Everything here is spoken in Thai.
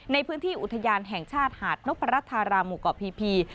ในพื้นที่อุทยานแห่งชาติหาดนพรัชธาราหมู่เกาะพี